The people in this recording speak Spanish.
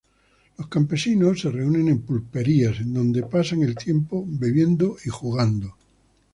Los campesinos se reúnen en pulperías, en donde pasan el tiempo bebiendo y jugando.